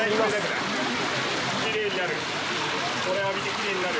きれいになる。